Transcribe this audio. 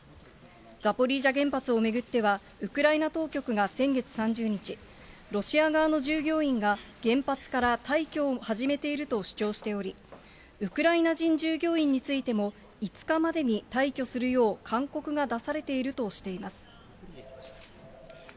ザポリージャ原発を巡っては、ウクライナ当局が先月３０日、ロシア側の従業員が原発から退去を始めていると主張しており、ウクライナ人従業員についても、５日までに退去するよう勧告が出されているとしています。